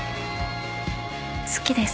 好きです